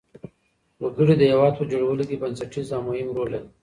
وګړي د هېواد په جوړولو کي بنسټيز او مهم رول لري.